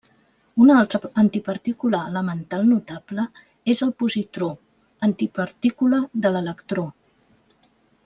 Una altra antipartícula elemental notable és el positró, antipartícula de l'electró.